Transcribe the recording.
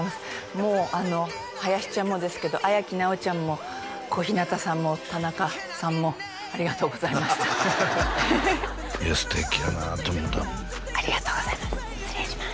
もう林ちゃんもですけど彩輝なおちゃんも小日向さんも田中さんもありがとうございましたいや素敵やなって思うたありがとうございます失礼します